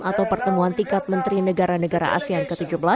atau pertemuan tingkat menteri negara negara asean ke tujuh belas